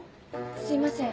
すいません